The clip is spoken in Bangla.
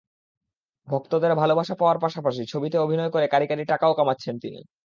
ভক্তদের ভালোবাসা পাওয়ার পাশাপাশি ছবিতে অভিনয় করে কাড়ি কাড়ি টাকাও কামাচ্ছেন তিনি।